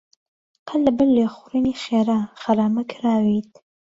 قەت لەبەر لێخوڕینی خێرا غەرامە کراویت؟